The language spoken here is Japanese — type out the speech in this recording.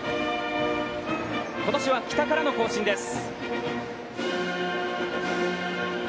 ことしは北からの行進です。